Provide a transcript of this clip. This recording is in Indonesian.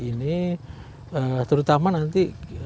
ini terutama nanti